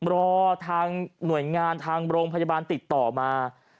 รอทางหน่วยงานทางโรงพยาบาลติดต่อมา